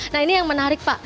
nah ini yang menarik pak